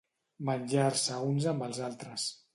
Menjar-se uns amb els altres.